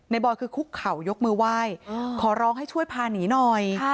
บอยคือคุกเข่ายกมือไหว้ขอร้องให้ช่วยพาหนีหน่อย